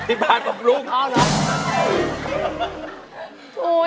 อภิบาลบรูป